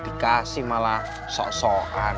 dikasih malah sok sokan